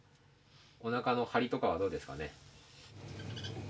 おなかの張りとかはどうですかね？